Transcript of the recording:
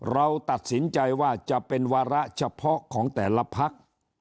เราตัดสินใจว่าจะเป็นวาระเฉพาะของแต่ละพัก